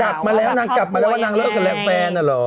จับมาแล้วนางจับมาแล้วว่านางเลิกกับแฟนนะ